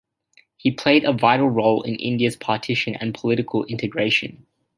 He played a vital role in India's partition and political integration.